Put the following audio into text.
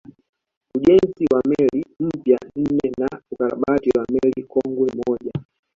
Ujenzi wa meli mpya nne na ukarabati wa meli kongwe moja